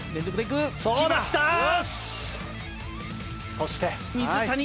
そして。